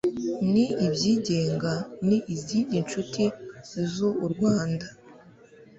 n ibyigenga n izindi nshuti z u rwanda